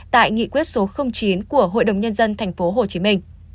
tại nghị quyết số chín của hội đồng nhân dân tp hcm